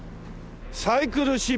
サイクルシップ。